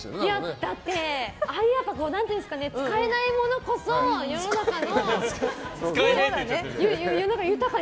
だって使えないものこそ世の中のね。